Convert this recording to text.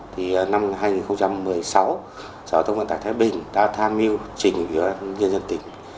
thì năm hai nghìn một mươi sáu giao thông vận tải thái bình đã tham mưu trình nhân dân tỉnh